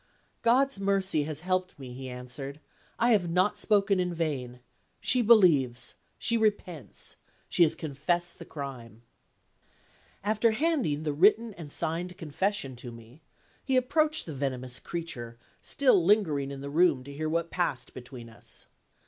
"God's mercy has helped me," he answered. "I have not spoken in vain. She believes; she repents; she has confessed the crime." After handing the written and signed confession to me, he approached the venomous creature, still lingering in the room to hear what passed between us.